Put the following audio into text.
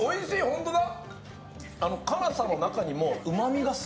本当だ！